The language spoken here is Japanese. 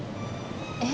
え？